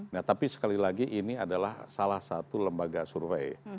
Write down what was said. nah tapi sekali lagi ini adalah salah satu lembaga survei